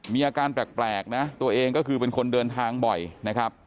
มีอาการแปลกนะตัวเองก็คือเป็นคนเดินทางบ่อยนะครับ